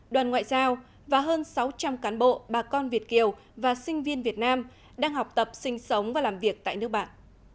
đoàn ngoại giao và hơn sáu trăm linh cán bộ bà con việt kiều và sinh viên việt nam đang học tập sinh sống và làm việc tại nước bạn